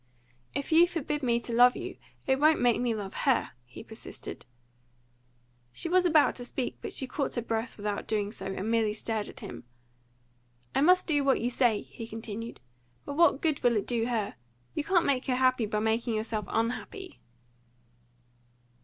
"If you forbid me to love you, it won't make me love her," he persisted. She was about to speak, but she caught her breath without doing so, and merely stared at him. "I must do what you say," he continued. "But what good will it do her? You can't make her happy by making yourself unhappy."